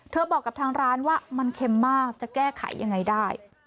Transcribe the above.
บอกกับทางร้านว่ามันเค็มมากจะแก้ไขยังไงได้